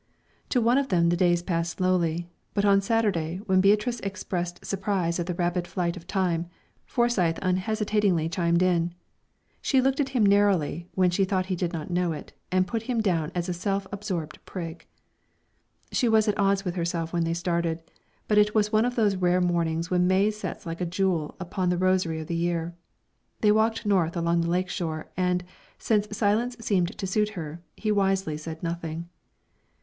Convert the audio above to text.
To one of them the days passed slowly, but on Saturday, when Beatrice expressed surprise at the rapid flight of time, Forsyth unhesitatingly chimed in. She looked at him narrowly when she thought he did not know it, and put him down as a self absorbed prig. She was at odds with herself when they started, but it was one of those rare mornings which May sets like a jewel upon the rosary of the year. They walked north along the lake shore, and, since silence seemed to suit her, he wisely said nothing.